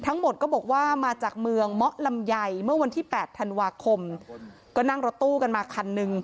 ทั้งหมดก็บอกว่ามาจากเมืองเมาะลำไยเมื่อวันที่๘ธันวาคมก็นั่งรถตู้กันมาคันหนึ่ง